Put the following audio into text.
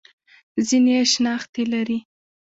ځینې یې شنختې لري.